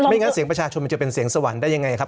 งั้นเสียงประชาชนมันจะเป็นเสียงสวรรค์ได้ยังไงครับ